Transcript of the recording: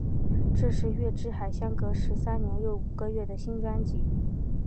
这是月之海相隔十三年又五个月的新专辑。